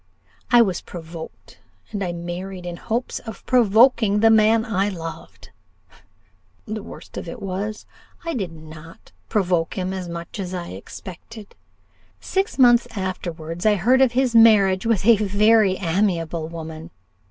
I was provoked, and I married in hopes of provoking the man I loved. The worst of it was, I did not provoke him as much as I expected. Six months afterwards I heard of his marriage with a very amiable woman.